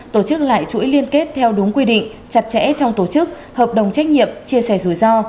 tổ chức lại chuỗi liên kết theo đúng quy định chặt chẽ trong tổ chức hợp đồng trách nhiệm chia sẻ rủi ro